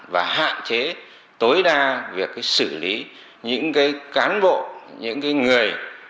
và hạn chế tối đa việc xử lý những cán bộ những người